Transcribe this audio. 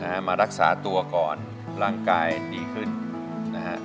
มารักษาตัวก่อนร่างกายดีขึ้นนะฮะ